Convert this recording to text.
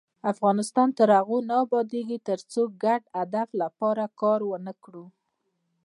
افغانستان تر هغو نه ابادیږي، ترڅو د ګډ هدف لپاره کار ونکړو.